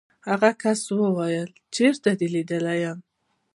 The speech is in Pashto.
هغه کس وویل چېرته دې لیدلی یم.